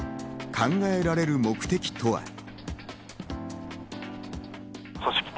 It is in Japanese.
考えられる目的とは？